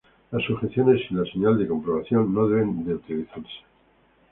Las sujeciones sin la señal de comprobación no deben utilizarse.